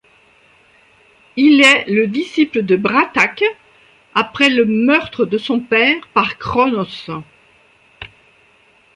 Il est le disciple de Bra'tac, après le meurtre de son père par Cronos.